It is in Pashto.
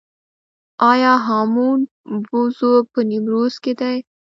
آیا هامون پوزک په نیمروز کې دی؟